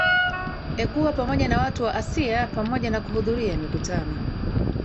ekuwa pamoja na watu wa asia pamoja na kuhudhuria mikutano